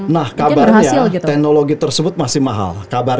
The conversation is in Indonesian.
nah kabarnya teknologi tersebut masih mahal